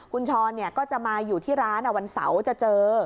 คุณช้อนก็จะมาอยู่ที่ร้านวันเสาร์จะเจอ